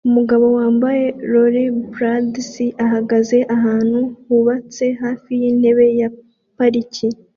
Umugabo yambaye Rollerblades ahagaze ahantu hubatswe hafi yintebe ya parike